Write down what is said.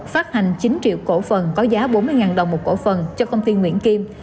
phát hành chín triệu cổ phần có giá bốn mươi đồng một cổ phần cho công ty nguyễn kim